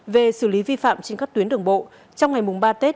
về xử lý vi phạm trên các tuyến đường bộ trong ngày mùng ba tết